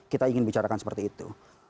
kita ingin bicarakan seperti itu